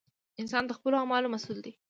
• انسان د خپلو اعمالو مسؤل دی.